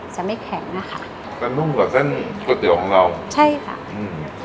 จะไม่แข็งอ่ะค่ะจะนุ่มกว่าเส้นก๋วยเตี๋ยวของเราใช่ค่ะอืม